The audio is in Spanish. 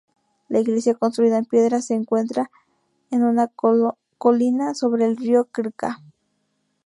La iglesia construida en piedra se encuentra en una colina sobre el río Krka.